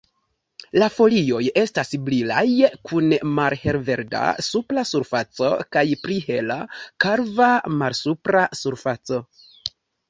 La folioj estas brilaj kun malhelverda supra surfaco kaj pli hela, kalva malsupra surfaco.